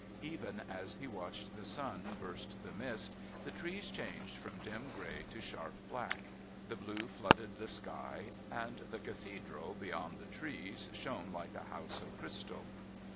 Even as he watched the sun burst the mist, the trees changed from dim grey to sharp black, the blue flooded the sky, and the Cathedral beyond the trees shone like a house of crystal.